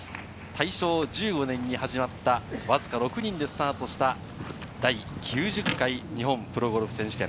大正１５年に始まった、わずか６人でスタートした、第９０回日本プロゴルフ選手権。